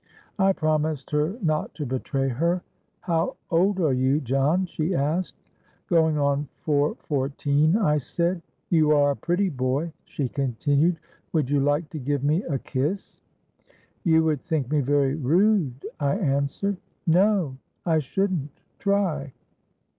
'—I promised her not to betray her.—'How old are you, John?' she asked.—'Going on for fourteen,' I said.—'You are a pretty boy,' she continued. 'Would you like to give me a kiss?'—'You would think me very rude,' I answered.—'No, I shouldn't: try.'